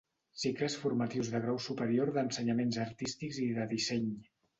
Cicles formatius de grau superior d'ensenyaments artístics i de disseny.